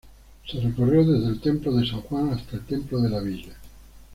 Se recorrió desde el templo de San Juan hasta el templo de la villa.